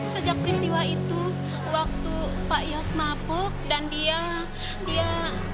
sejak peristiwa itu waktu pak yos mapok dan dia